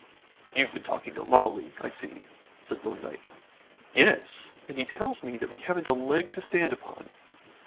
"You've been talking to Lawley, I see," said Thorndyke. "Yes, and he tells me that we haven't a leg to stand upon."